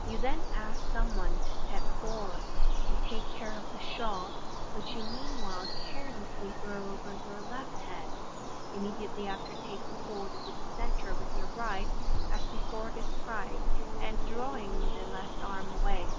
You then ask some one to step forward and take care of the shawl, which you meanwhile carelessly throw over your left hand, immediately after t king hold of its centre with your right, as before described, and drawing the left arm away.